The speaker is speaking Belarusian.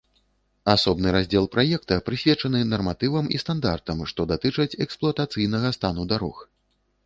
Асобны раздзел праекта прысвечаны нарматывам і стандартам, што датычаць эксплуатацыйнага стану дарог.